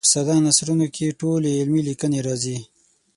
په ساده نثرونو کې ټولې علمي لیکنې راځي.